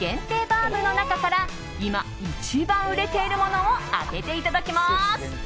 バウムの中から今、一番売れているものを当てていただきます。